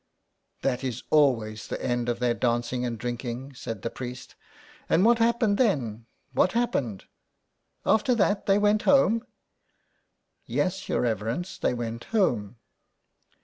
*' That is always the end of their dancing and drinking," said the priest. " And what happened then, what happened ? After that they went home ?"" Yes, your reverence, they went home."